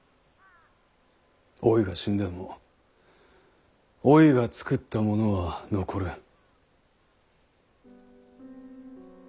おいが死んでもおいが作ったものは残る。